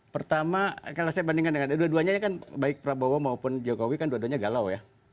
pertama kalau saya bandingkan dengan dua duanya kan baik prabowo maupun jokowi kan dua duanya galau ya